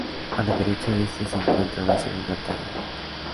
A la derecha de este se encuentra la segunda talla.